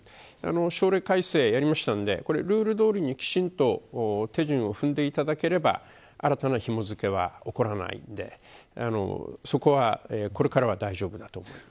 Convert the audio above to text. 省令改正をやりましたのでこれをルールどおりにきちんと手順を踏んでいただければ新たなひも付けは起こらないのでそこは、これからは大丈夫だと思います。